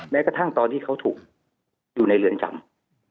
แม้กระทั่งตอนที่เขาถูกอยู่ในเรือนจำ